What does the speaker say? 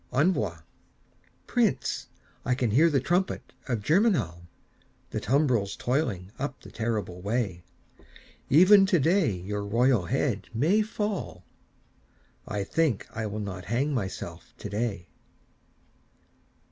Envoi Prince, I can hear the trumpet of Germinal, The tumbrils toiling up the terrible way; Even today your royal head may fall I think I will not hang myself today.